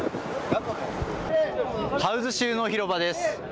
ハウズ州の広場です。